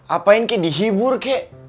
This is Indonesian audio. apain kek dihibur kek